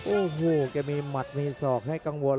โอ้โหแกมีหมัดมีศอกให้กังวล